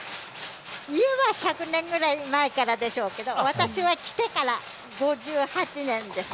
家は１００年ぐらい前からでしょうけども、私は来てから５８年です。